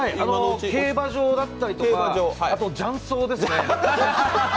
競馬場だったりとかジャン荘ですね。